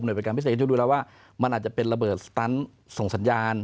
โดยเป็นการพิเศษจะดูแล้วว่ามันอาจจะเป็นระเบิดสตันส่งสัญญาณ